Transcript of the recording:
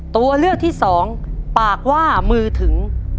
ตัวเลือกที่สองปากว่ามือถึง